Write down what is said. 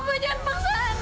ma jangan paksa anak